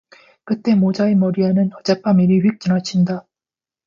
그때 모자의 머리에는 어젯밤 일이 휙 지나친다.